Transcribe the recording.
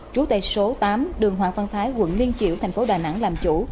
chú tệ số tám đường hoàng văn thái quận liên triệu thành phố đà nẵng làm chủ